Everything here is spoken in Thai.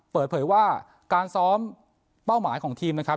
เปิดเผยว่าการซ้อมเป้าหมายของทีมนะครับ